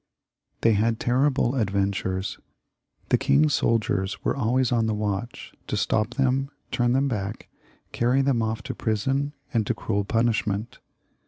They had terrible adventures ; the king's soldiers were always on the watch to stop them, turn them back, carry them off to prison and to cruel punishment.